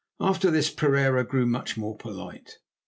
After this Pereira grew much more polite.